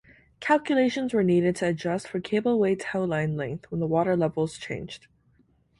Calculations were needed to adjust for cableway towline length when the water levels changed.